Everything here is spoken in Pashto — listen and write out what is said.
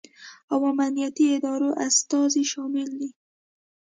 او امنیتي ادارو استازي شامل دي